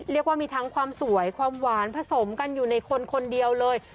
เรียกว่ามีทั้งความสวยความหวานผสมกันอยู่ในคนคนเดียวเลย